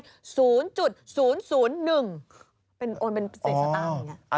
เป็นโอนเป็นศิลป์ตั้งอย่างนี้